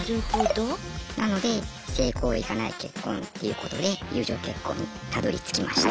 なので性行為がない結婚っていうことで友情結婚にたどりつきました。